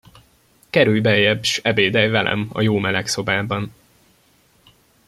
Kerülj beljebb, s ebédelj velem a jó meleg szobában!